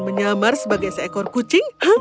menyamar sebagai seekor kucing